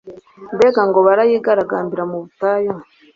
mbega ngo barayigarambira mu butayu